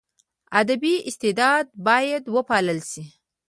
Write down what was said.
ادبي استعداد باید وپالل سي.